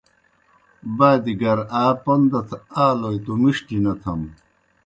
بادیْ گر آ پوْن دتھہ آلوئے توْ مِݜٹیْ نہ تھم۔